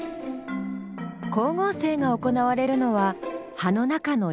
光合成が行われるのは葉の中の葉緑体。